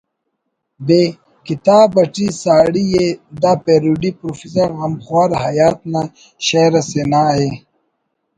ب“ کتاب اٹی ساڑی ءِ دا پیروڈی پروفیسر غمخوار حیات نا شئیر اسے نا ءِ